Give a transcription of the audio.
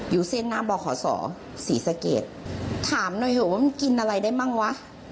อยู่เส้นหน้าบ่อขอสอสีสะเกดถามหน่อยเหอะว่ามันกินอะไรได้บ้างวะ